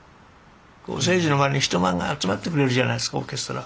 征爾の周りに人が集まってくれるじゃないですかオーケストラ。